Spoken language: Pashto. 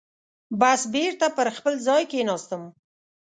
بس بېرته پر خپل ځای کېناستم.